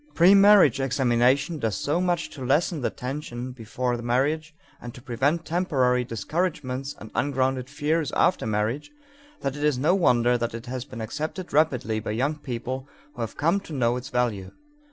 The premarriage examination does so much to lessen the tension before marriage and to prevent temporary discouragements or ungrounded fears after marriage that it is no wonder that it has been accepted rapidly by young people who have come to know its value.